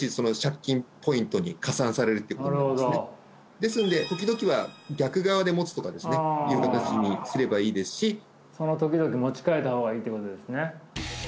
ですので時々は逆側で持つとかですねという形にすればいいですしその時々で持ち替えた方がいいってことですね